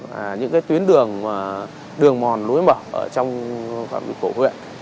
và những tuyến đường đường mòn lối mở trong cổ huyện